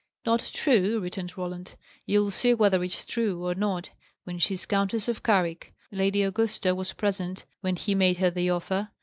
"Not true!" returned Roland. "You'll see whether it's true or not, when she's Countess of Carrick. Lady Augusta was present when he made her the offer.